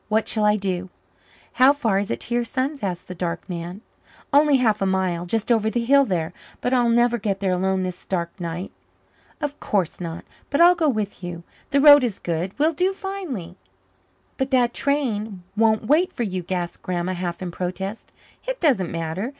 What shall I do?" "How far is it to your son's?" asked the dark man. "Only half a mile just over the hill there. But I'll never get there alone this dark night." "Of course not. But I'll go with you. The road is good we'll do finely." "But that train won't wait for you," gasped Grandma, half in protest. "It doesn't matter.